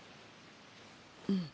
うん。